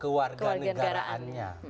ke warga negaraannya